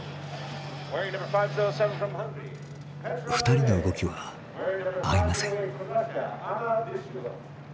２人の動きは合いません。